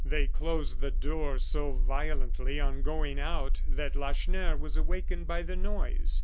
They closed the door so violently on going out that Lacheneur was awakened by the noise.